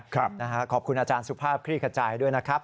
ครับนะฮะขอบคุณอาจารย์สุภาพคลี่กระจายด้วยนะครับ